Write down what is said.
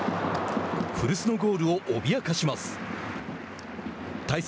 古巣のゴールを脅かします。